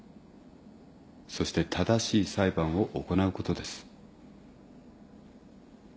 そして正しい裁判を行うことです。